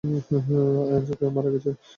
অ্যাজাক মারা গেছে।